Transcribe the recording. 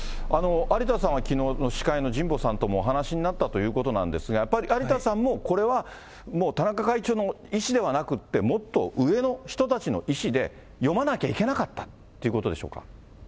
有田さんはきのうの司会の神保さんともお話しになったということなんですが、やっぱり有田さんもこれは、もう田中会長の意思ではなくて、もっと上の人たちの意思で、読まなきゃいけなかったということでしょうか。